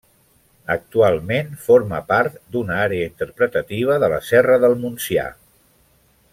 Actualment forma part d'una àrea interpretativa de la Serra del Montsià.